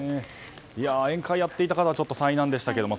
宴会をやっていた方は災難でしたけども。